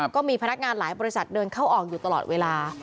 ก็มีพนักงานหลายบริษัทเดินเข้าออกอยู่ตลอดเวลา